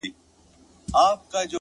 o زه زما او ستا و دښمنانو ته؛